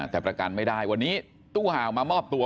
แต่ประกันไม่ได้วันนี้ตู้ห่าวมามอบตัว